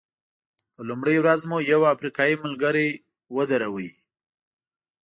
په لومړۍ ورځ مو یو افریقایي ملګری ودراوه.